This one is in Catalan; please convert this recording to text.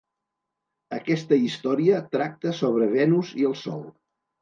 Aquesta història tracta sobre Venus i el sol.